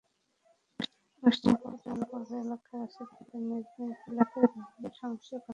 অনুষ্ঠানের প্রথম পর্বে এলাকাবাসী তাঁদের নিজ নিজ এলাকার বিভিন্ন সমস্যার কথা তুলে ধরেন।